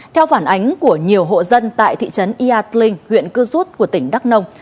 theo phản ánh của nhiều hộ dân tại thị trấn yatling huyện cư rút của tỉnh đắk nông